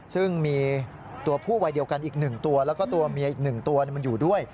ซึ่งมีตัวผู้วัยเดียวกันอีก๑ตัวแล้วก็ตัวเมียอีก๑ตัวมันอยู่ด้วย